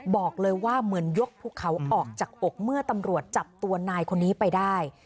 บอกเลยว่าเหมือนยกภูเขาออกจากอกเมื่อตำรวจจับตัวนายคนนี้ไปได้